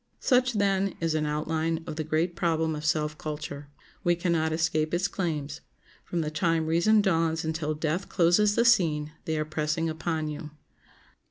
Such, then, is an outline of the great problem of self culture. We can not escape its claims; from the time reason dawns until death closes the scene they are pressing upon you.